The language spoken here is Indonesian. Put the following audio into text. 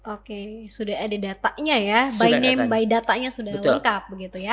oke sudah ada datanya ya by name by datanya sudah lengkap begitu ya